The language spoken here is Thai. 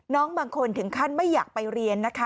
น้องบางคนถึงขั้นไม่อยากไปเรียนนะคะ